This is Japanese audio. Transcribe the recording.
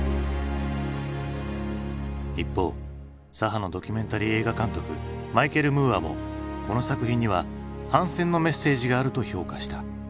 一方左派のドキュメンタリー映画監督マイケル・ムーアもこの作品には反戦のメッセージがあると評価した。